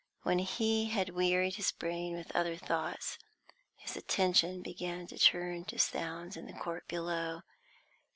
When he had wearied his brain with other thoughts, his attention began to turn to sounds in the court below.